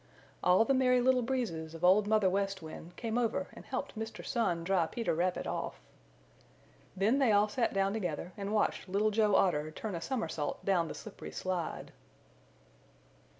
All the Merry Little Breezes of Old Mother West Wind came over and helped Mr. Sun dry Peter Rabbit off. Then they all sat down together and watched Little Joe Otter turn a somersault down the slippery slide.